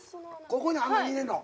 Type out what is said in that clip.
ここの穴に入れんの？